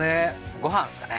ごはんですかね。